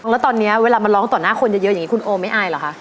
แล้วตอนนี้เวลามาร้องต่อหน้าคนเยอะคุณโอ้ยไม่อายหรอคะ